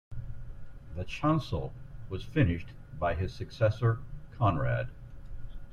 The chancel was finished by his successor Conrad.